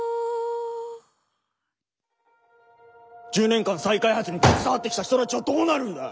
１０年間再開発に携わってきた人たちはどうなるんだ！